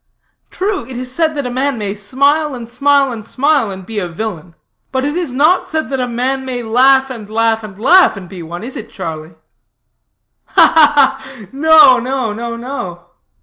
True, it is said that a man may smile, and smile, and smile, and be a villain; but it is not said that a man may laugh, and laugh, and laugh, and be one, is it, Charlie?" "Ha, ha, ha! no no, no no."